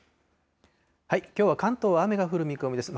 きょうは関東は雨が降る見込みです。